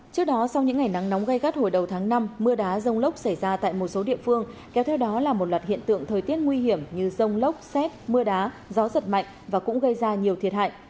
trước đó sau những ngày nắng nóng gây gắt hồi đầu tháng năm mưa đá rông lốc xảy ra tại một số địa phương kéo theo đó là một loạt hiện tượng thời tiết nguy hiểm như rông lốc xét mưa đá gió giật mạnh và cũng gây ra nhiều thiệt hại